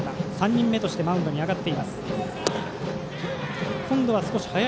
３人目としてマウンドに上がっています。